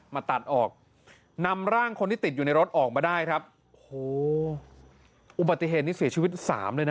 มาตัดออกนำร่างคนที่ติดอยู่ในรถออกมาได้ครับโอ้โหอุบัติเหตุนี้เสียชีวิตสามเลยนะ